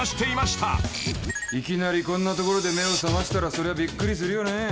いきなりこんな所で目を覚ましたらそりゃびっくりするよね。